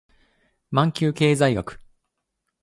マンキュー経済学